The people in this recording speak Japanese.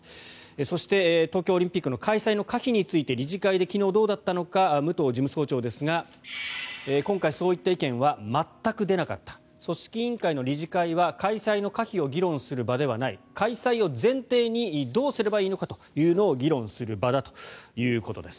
そして、東京オリンピックの開催の可否について理事会で昨日、どうだったのか武藤事務総長ですが今回、そういった意見は全く出なかった組織委員会の理事会は開催の可否を議論する場ではない開催を前提にどうすればいいのかというのを議論する場だということです。